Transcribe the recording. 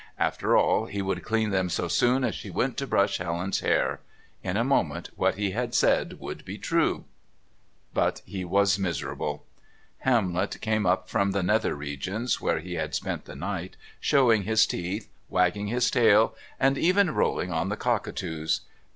After all, he would clean them so soon as she went to brush Helen's hair. In a moment what he had said would be true. But he was miserable. Hamlet came up from the nether regions where he had spent the night, showing his teeth, wagging his tail, and even rolling on the cockatoos.